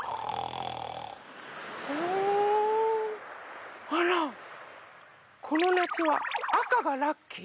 おおあらこのなつはあかがラッキー？